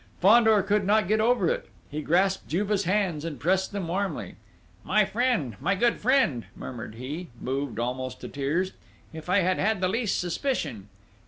Fandor could not get over it! He grasped Juve's hands and pressed them warmly. "My friend! My good friend!" murmured he, moved almost to tears. "If I had had the least suspicion!..."